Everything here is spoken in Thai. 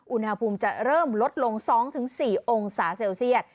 อุณหภูมิจะเริ่มลดลง๒๔องศาเซลเซียต